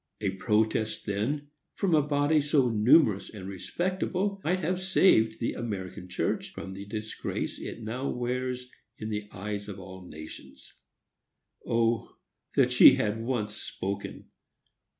A protest then, from a body so numerous and respectable, might have saved the American church from the disgrace it now wears in the eyes of all nations. O that she had once spoken!